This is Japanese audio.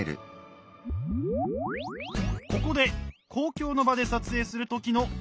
ここで公共の場で撮影する時の注意点。